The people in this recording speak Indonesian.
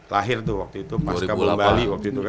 lahir tuh waktu itu pas kabul bali dua ribu delapan